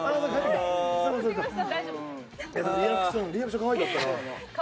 リアクションかわいかったな。